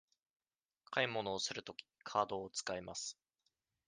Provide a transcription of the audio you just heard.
買い物をするとき、カードを使います。